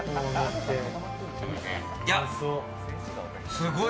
すごい！